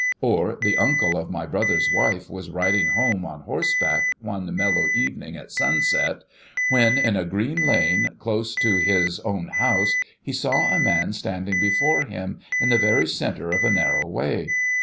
Or, the uncle of my brother's wife was riding home on horseback, one mellow evening at sunset, when, in a green Jane close to his owa house, he saw a man standing before him, in the very centre of a narrow way.